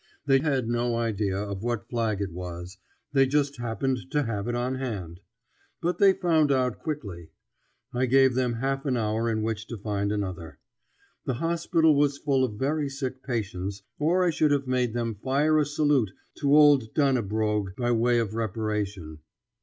They had no idea of what flag it was: they just happened to have it on hand. But they found out quickly. I gave them half an hour in which to find another. The hospital was full of very sick patients, or I should have made them fire a salute to old Dannebrog by way of reparation.